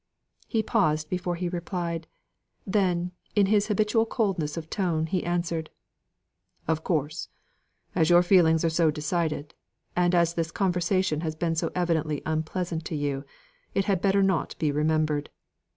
He paused before he replied. Then, in his habitual coldness of tone, he answered: "Of course, as your feelings are so decided, and as this conversation has been so evidently unpleasant to you, it had better not be remembered.